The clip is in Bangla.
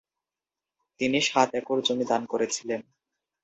তিনি সাত একর জমি দান করেছিলেন।